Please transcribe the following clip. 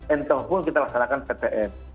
entah pun kita laksanakan ptm